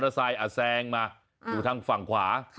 มอเตอร์ไซค์อาแซงมาอยู่ทางฝั่งขวาค่ะ